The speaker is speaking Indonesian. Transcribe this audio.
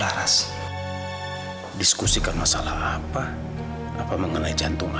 kenapa noises orang cenggorokan dalam menyewhati played up by wsdm